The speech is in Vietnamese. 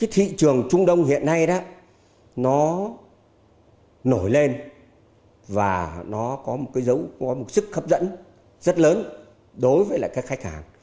thị trường trung đông hiện nay nó nổi lên và nó có một sức hấp dẫn rất lớn đối với khách hàng